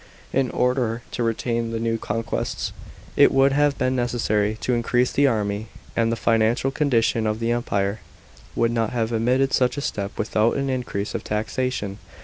In order to retain the new conquests it would have been necessary to increase the army, and the financial condition of the Empire would not have admitted such a step without an increase of taxation.